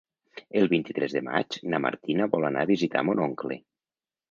El vint-i-tres de maig na Martina vol anar a visitar mon oncle.